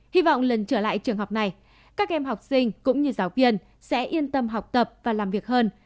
hy vọng lần trở lại trường học này các em học sinh cũng như giáo viên sẽ yên tâm học tập và làm việc hơn